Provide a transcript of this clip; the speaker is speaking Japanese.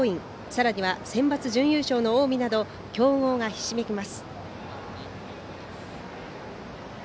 さらにはセンバツ準優勝の近江など、強豪がひしめきます。